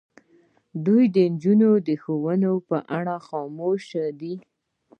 دوی د نجونو د ښوونځي په اړه خاموش دي.